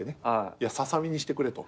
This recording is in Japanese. いやささ身にしてくれと。